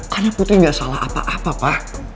karena putri nggak salah apa apa pa